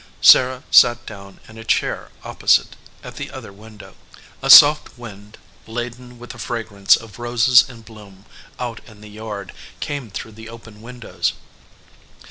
Sarah sat down in a chair opposite at the other window. A soft wind laden with the fragrance of roses in bloom out in the yard came through the open windows.